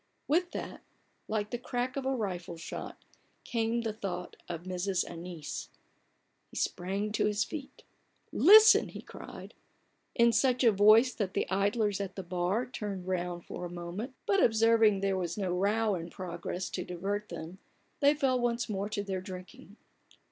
With that, like the crack of a rifle shot, came the thought of Mrs. Annice. He sprang to his feet. " Listen !" he cried, in such a voice that the idlers at the bar THE BARGAIN OF RUPERT ORANGE, 21 turned round for a moment ; but observing that no row was in progress to divert them, they fell once more to their drinking.